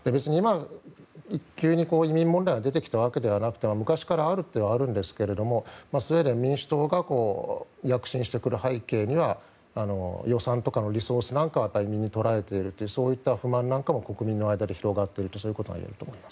別に急に移民問題が出てきたわけではなくて昔からあるんですけれどもスウェーデン民主党が躍進してくる背景には予算とかのリソースが移民にとられているというそういった不満なんかも国民の間で広まっていることがそういうことが言えると思います。